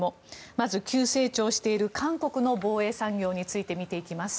まず急成長している韓国の防衛産業について見ていきます。